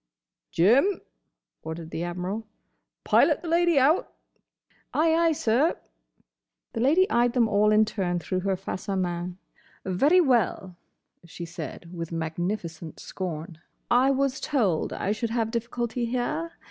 "Jim," ordered the Admiral, "pilot the lady out." "Ay, ay, sir." The Lady eyed them all in turn through her face à main. "Very well," she said, with magnificent scorn. "I was told I should have difficulty here.